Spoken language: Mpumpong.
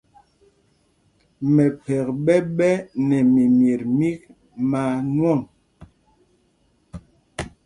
Mɛphɛk ɓɛ ɓɛ́ nɛ mimyet mîk maa nwɔ̂ŋ.